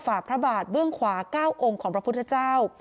พระบาทเบื้องขวา๙องค์ของพระพุทธเจ้า